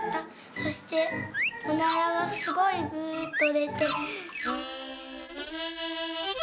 そしておならがすごい『ブーッ』とでて」。